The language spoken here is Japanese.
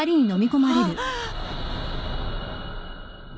あっ！